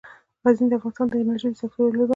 غزني د افغانستان د انرژۍ د سکتور یوه لویه برخه ده.